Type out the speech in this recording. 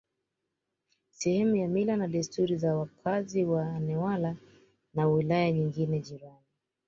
sehemu ya mila na desturi za wakazi wa Newala na wilaya nyingine jirani